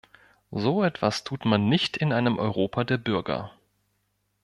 So etwas tut man nicht in einem Europa der Bürger.